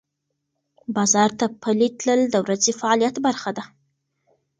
بازار ته پلي تلل د ورځې فعالیت برخه ده.